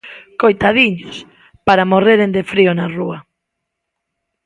Coitadiños, para morreren de frío na rúa...